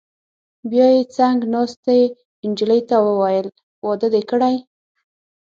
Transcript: بیا یې څنګ ناستې نجلۍ ته وویل: واده دې کړی؟